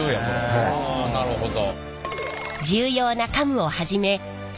はあなるほど。